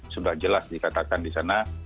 sudah jelas dikatakan di sana